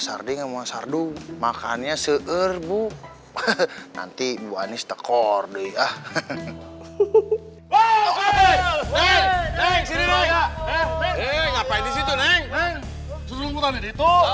sarding sama sardu makannya seerbu nanti bu anies tekor deh ah hehehe hehehe hehehe